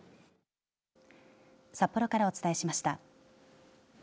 札幌からお伝えしました。